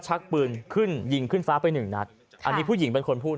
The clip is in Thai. ชักปืนขึ้นยิงขึ้นฟ้าไปหนึ่งนัดอันนี้ผู้หญิงเป็นคนพูด